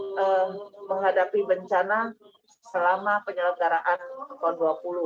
kita menghadapi bencana selama penyelenggaraan pon dua puluh